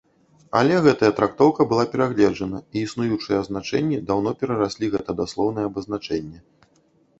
Але гэтая трактоўка была перагледжана і існуючыя азначэнні даўно перараслі гэта даслоўнае абазначэнне.